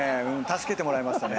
助けてもらいました。